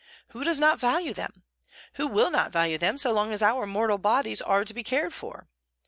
Who does not value them? Who will not value them so long as our mortal bodies are to be cared for?